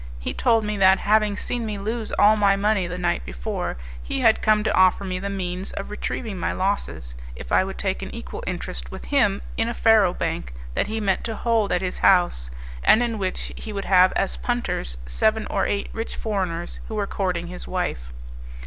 He told me that, having seen me lose all my money the night before, he had come to offer me the means of retrieving my losses, if I would take an equal interest with him in a faro bank that he meant to hold at his house, and in which he would have as punters seven or eight rich foreigners who were courting his wife.